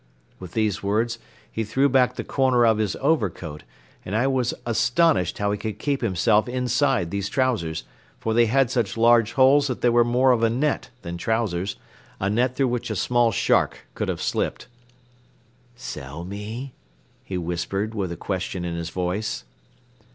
With these words he threw back the corner of his overcoat and I was astonished how he could keep himself inside these trousers, for they had such large holes that they were more of a net than trousers, a net through which a small shark could have slipped. "Sell me," he whispered, with a question in his voice.